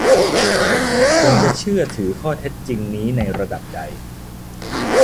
ควรเชื่อถือข้อเท็จจริงนี้ในระดับใด